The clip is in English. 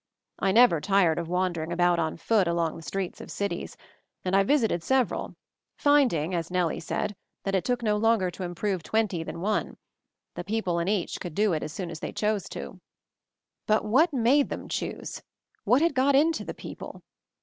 I never tired of wander ing about on foot along the streets of cities, and I visited several, finding, as Nellie said, that it took no longer to improve twenty than one; the people in each could do it as soon as they chose to. But what made them choose? What had got into the people?